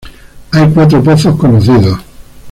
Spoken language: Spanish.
Hay cuatro pozos conocidos.